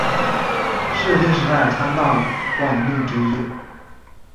室町时代三大管领之一。